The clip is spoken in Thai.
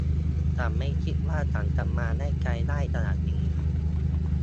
ฉันไม่คิดว่าฉันจะมาไกลได้ขนาดนี้